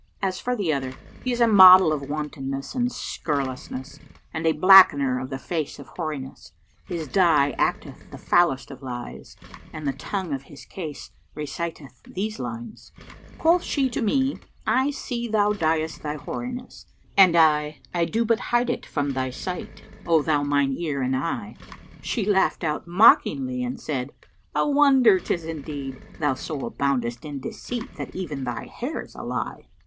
As for the other, he is a model of wantonness and scurrilousness and a blackener of the face of hoariness; his dye acteth the foulest of lies: and the tongue of his case reciteth these lines,[FN#464] 'Quoth she to me, 'I see thou dy'st thy hoariness;' and I, 'I do but hide it from thy sight, O thou mine ear and eye!' She laughed out mockingly and said, 'A wonder 'tis indeed! Thou so aboundest in deceit that even thy hair's a lie.'